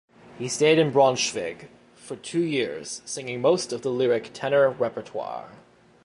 He stayed in Braunschweig for two years, singing most of the lyric tenor repertoire.